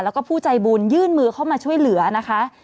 แล้วก็ผู้ใจบุญยื่นมือเข้ามาช่วยเหลือนะคะ